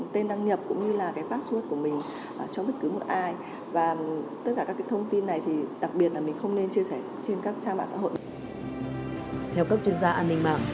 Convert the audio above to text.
theo các chuyên gia an ninh mạng